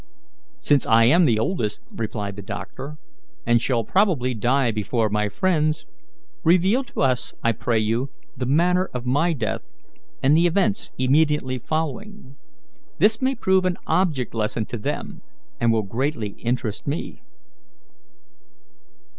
"Since I am the oldest," replied the doctor, "and shall probably die before my friends, reveal to us, I pray you, the manner of my death and the events immediately following. This may prove an object lesson to them, and will greatly interest me."